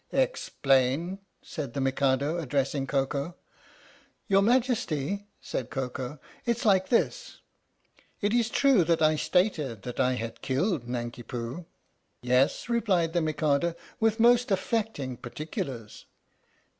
" Explain," said the Mikado, addressing Koko. "Your Majesty," said Koko, "it's like this. It is true that I stated that I had killed Nanki Poo " "Yes," replied the Mikado, "with most affecting particulars."